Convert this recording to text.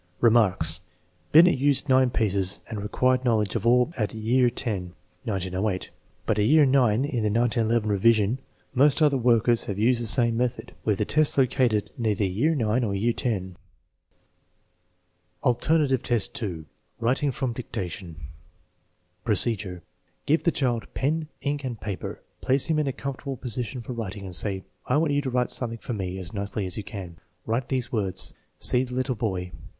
Remarks. Binet used nine pieces and required knowledge of all at year X (1908), but at year IX in the 1911 revi sion. Most other workers have used the same method, with the test located in either year IX or year X. , Alternative test 2: writing from dictation Procedure. Give the child pen, ink, and paper, pkce him in a comfortable position for writing, and say: I want you to write something for me as nicely as you can. Write these wards: ' See \he IMe boy.